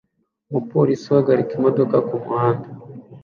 Umupolisi uhagarika imodoka kumuhanda